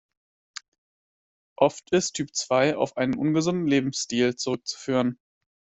Oft ist Typ zwei auf einen ungesunden Lebensstil zurückzuführen.